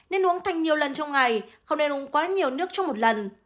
nên uống thành nhiều lần trong ngày không nên uống quá nhiều nước trong một lần